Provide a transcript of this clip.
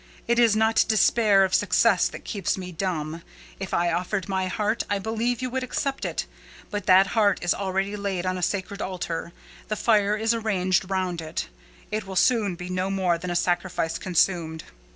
It is not despair of success that keeps me dumb. If I offered my heart, I believe you would accept it. But that heart is already laid on a sacred altar: the fire is arranged round it. It will soon be no more than a sacrifice consumed."